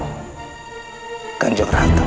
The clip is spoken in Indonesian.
hai kanjong rata